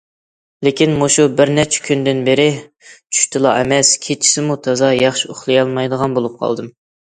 لېكىن، مۇشۇ بىرنەچچە كۈندىن بېرى چۈشتىلا ئەمەس، كېچىسىمۇ تازا ياخشى ئۇخلىيالمايدىغان بولۇپ قالدى.